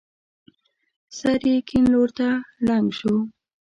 سر يې کيڼ لور ته ړنګ شو.